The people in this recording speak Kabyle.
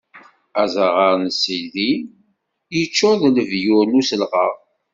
Azaɣar n Sidim iččuṛ d lebyur n uselɣaɣ.